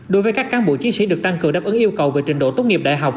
đối với các cán bộ chiến sĩ được tăng cường đáp ứng yêu cầu về trình độ tốt nghiệp đại học